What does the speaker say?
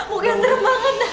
mungkin serem banget tante